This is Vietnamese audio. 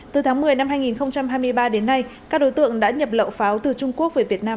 từ tháng một mươi năm hai nghìn hai mươi ba đến nay các đối tượng đã nhập lậu pháo từ trung quốc về việt nam